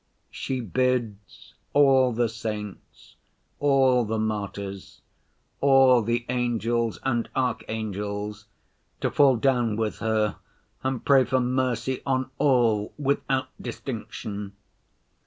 she bids all the saints, all the martyrs, all the angels and archangels to fall down with her and pray for mercy on all without distinction.